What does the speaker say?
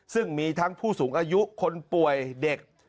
ซึ่งมีทั้งผู้สูงอายุคนป่วยเด็ก